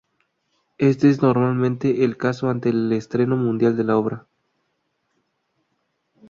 Este es normalmente el caso ante el estreno mundial de la obra.